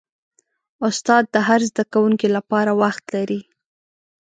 استاد د هر زده کوونکي لپاره وخت لري.